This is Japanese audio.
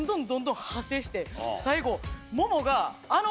最後。